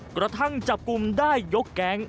กระทั่งจับกลุ่มได้ยกแก๊ง